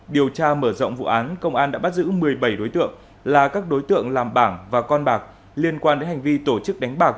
điều tra mở rộng vụ án công an đã bắt giữ một mươi bảy đối tượng là các đối tượng làm bảng và con bạc liên quan đến hành vi tổ chức đánh bạc